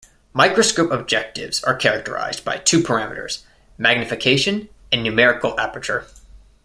Microscope objectives are characterized by two parameters: magnification and numerical aperture.